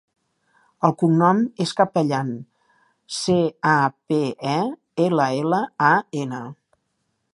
El cognom és Capellan: ce, a, pe, e, ela, ela, a, ena.